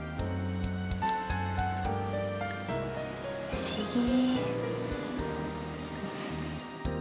不思議。